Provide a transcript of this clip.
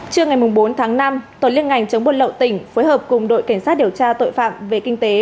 trưa ngày bốn tháng năm tổ liên ngành chống buôn lậu tỉnh phối hợp cùng đội cảnh sát điều tra tội phạm về kinh tế